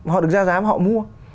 họ được ra giá mà họ mua